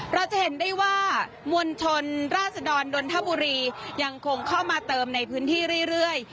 เราจะเห็นได้ว่ามวลชนราศดรนดนทบุรียังคงเข้ามาเติมในพื้นที่เรื่อย